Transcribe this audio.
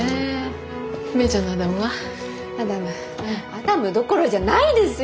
アダムどころじゃないですよ！